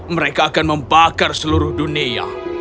mereka akan membakar seluruh dunia